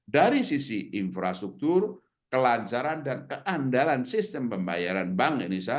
dari sisi infrastruktur kelancaran dan keandalan sistem pembayaran bank indonesia